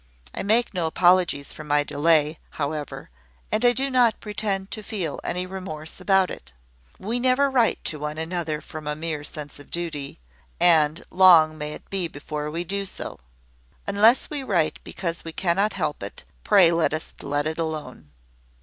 I make no apologies for my delay, however, and I do not pretend to feel any remorse about it. We never write to one another from a mere sense of duty; and long may it be before we do so! Unless we write because we cannot help it, pray let us let it alone.